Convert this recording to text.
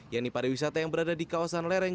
yang di pariwisata yang berada di kawasan lereng